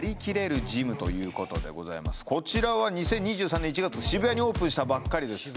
こちらは２０２３年１月渋谷にオープンしたばっかりです